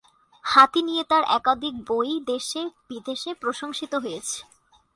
হাতি নিয়ে তার একাধিক বই দেশে-বিদেশে প্রশংসিত হয়েছে।